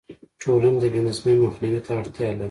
ټولنې د بې نظمۍ مخنیوي ته اړتیا لري.